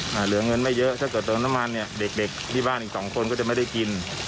เหลือเงินไม่เยอะถ้าเกิดเติมน้ำมันเนี่ยเด็กเด็กที่บ้านอีกสองคนก็จะไม่ได้กิน